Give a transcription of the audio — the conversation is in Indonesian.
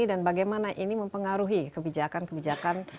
dan bagaimana ini mempengaruhi kebijakan kebijakan